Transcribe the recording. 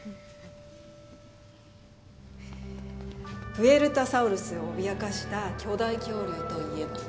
プエルタサウルスを脅かした巨大恐竜といえば？